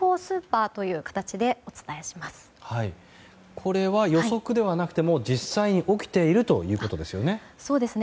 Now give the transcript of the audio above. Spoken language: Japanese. これは予測ではなくて実際に起きているということですよね。